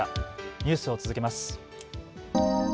ニュースを続けます。